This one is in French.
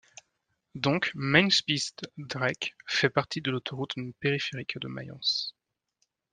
Donc, Mainspitz-Dreieck fait partie de l'Autoroute périphérique de Mayence.